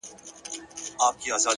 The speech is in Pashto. لوړ فکر نوی افق رامنځته کوي